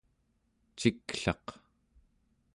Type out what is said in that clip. ciklaq